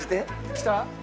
来た？